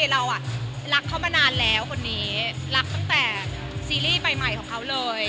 เรารักเขามานานแล้วคนนี้รักตั้งแต่ซีรีส์ใหม่ของเขาเลย